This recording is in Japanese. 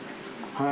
はい。